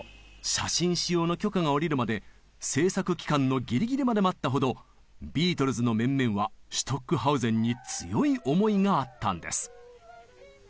写真使用の許可が下りるまで制作期間のギリギリまで待ったほどビートルズの面々はシュトックハウゼンに強い思いがあったんです。